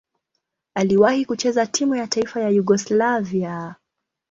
Aliwahi kucheza timu ya taifa ya Yugoslavia.